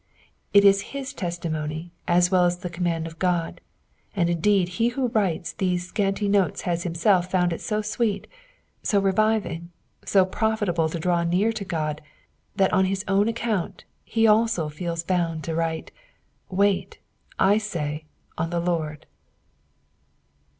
It is At* testimony as well as the command of God, and indeed he who writes these scanty notes has himself found it eo sweet, so reviving, so profitable to draw near lo Qod, that on his own account he abo feels bound to write, " Wait, I oat, on the Lurd."